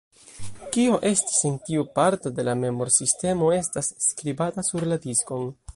Kio estis en tiu parto de la memor-sistemo estas skribata sur la diskon.